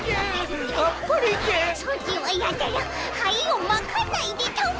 ソチはやたらはいをまかないでたも。